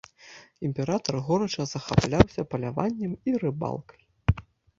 Імператар горача захапляўся паляваннем і рыбалкай.